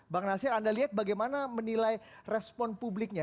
bang nasir anda lihat bagaimana menilai respon publiknya